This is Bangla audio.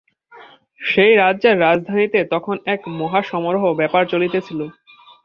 সেই রাজ্যের রাজধানীতে তখন এক মহাসমারোহ-ব্যাপার চলিতেছিল।